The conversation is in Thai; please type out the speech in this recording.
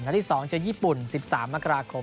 ที่๒เจอญี่ปุ่น๑๓มกราคม